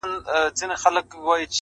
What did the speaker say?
صبر د لوړو موخو تکیه ده!